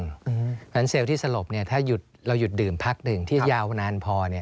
เพราะฉะนั้นเซลล์ที่สลบถ้าเราหยุดดื่มพักหนึ่งที่ยาวนานพอ